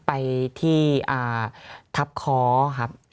ไปที่ทัพค้อครับ